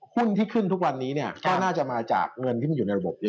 หุ้นที่ขึ้นทุกวันนี้เนี่ยก็น่าจะมาจากเงินที่มันอยู่ในระบบนี้